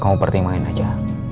kamu pertimbangin aja